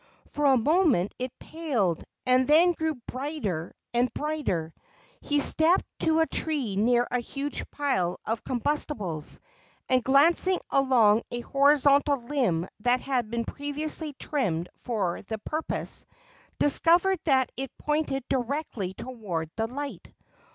For a moment it paled, and then grew brighter and brighter. He stepped to a tree near a huge pile of combustibles, and, glancing along a horizontal limb that had been previously trimmed for the purpose, discovered that it pointed directly toward the light.